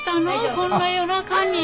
こんな夜中に。